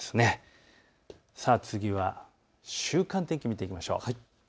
次は週間天気、見ていきましょう。